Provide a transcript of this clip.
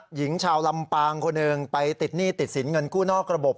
หญิงชาวลำปางคนหนึ่งไปติดหนี้ติดสินเงินกู้นอกระบบ